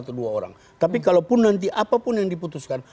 tapi kalau pun nanti apapun yang diputuskan